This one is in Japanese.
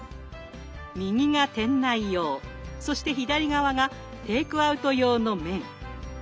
右が店内用そして左側がテイクアウト用の麺。